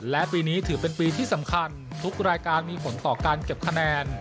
และปีนี้ถือเป็นปีที่สำคัญทุกรายการมีผลต่อการเก็บคะแนน